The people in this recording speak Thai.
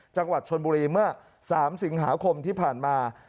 จังหวัดชนบุรีเมื่อ๓สิงหาคมที่ผ่านมา